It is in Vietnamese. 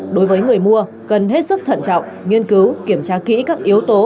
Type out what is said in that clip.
đối với người mua cần hết sức thận trọng nghiên cứu kiểm tra kỹ các yếu tố